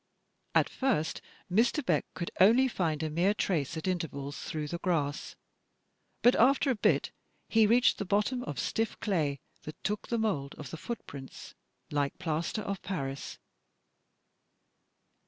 At first Mr. Beck could only find a mere trace at intervals through the grass, but after a bit he reached the bottom of stiff clay that took the mould of the footprints like plaster of Paris.